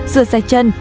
rửa sạch chân